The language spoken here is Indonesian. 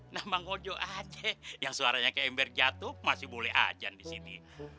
nah bang ojo aja yang suaranya kayak ember jatuh masih boleh ajar di sini